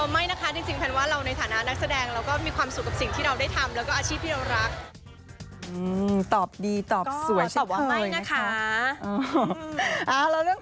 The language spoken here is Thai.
ไม่นะคะจริงแผนว่าเราในฐานะนักแสดง